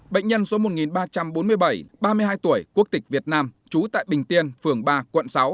bệnh nhân số một ba trăm bốn mươi bảy ba mươi hai tuổi quốc tịch việt nam trú tại bình tiên phường ba quận sáu